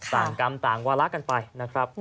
กรรมต่างวาระกันไปนะครับ